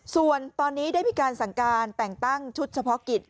ส่วนตอนนี้ได้มีการสั่งการแต่งตั้งชุดเฉพาะกิจ